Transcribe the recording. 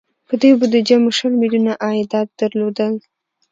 په دې بودجه مو شل میلیونه عایدات درلودل.